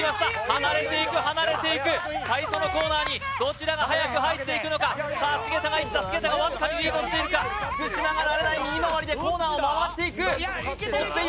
離れていく離れていく最初のコーナーにどちらが早く入っていくのかさあ菅田がいった菅田がわずかにリードしているか福島が慣れない右回りでコーナーを回っていくそして